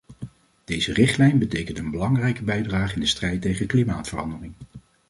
Deze richtlijn betekent een belangrijke bijdrage in de strijd tegen klimaatverandering.